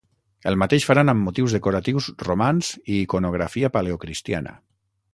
El mateix faran amb motius decoratius romans i iconografia paleocristiana.